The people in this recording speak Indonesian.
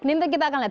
nanti kita akan lihat